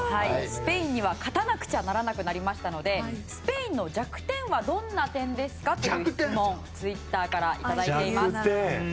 スペインには勝たなくちゃならなければなりましたのでスペインの弱点はどんな点ですか？という質問ツイッターからいただいています。